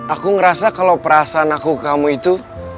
aku ngerasa kalo perasaan aku ke kamu itu